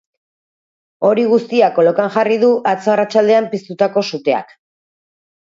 Hori guztia kolokan jarri du atzo arratsaldean piztutako suteak.